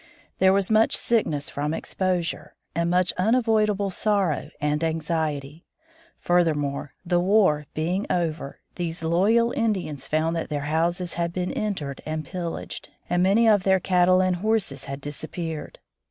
There was much sickness from exposure, and much unavoidable sorrow and anxiety. Furthermore, the "war" being over, these loyal Indians found that their houses had been entered and pillaged, and many of their cattle and horses had disappeared.